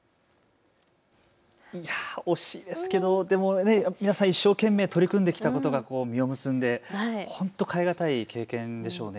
惜しいですけど皆さん一生懸命取り組んできたことが実を結んで本当に代え難い経験でしょうね。